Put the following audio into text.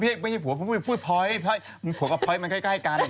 พ้อยอ่ะไม่ใช่หัวพูดพ้อยหัวกับพ้อยมันใกล้กัน